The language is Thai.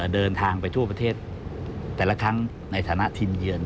เดินทางไปทั่วประเทศแต่ละครั้งในฐานะทีมเยือน